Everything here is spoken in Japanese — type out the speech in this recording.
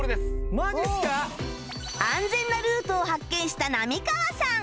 安全なルートを発見した浪川さん